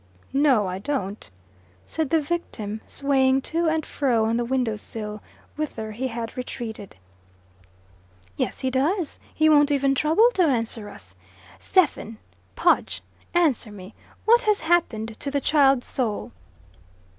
"No, I don't," said the victim, swaying to and fro on the window sill, whither he had retreated. "Yes, he does. He won't even trouble to answer us. Stephen! Podge! Answer me. What has happened to the child's soul?"